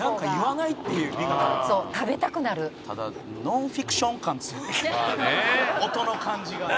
「ただ『ノンフィクション』感」「音の感じが」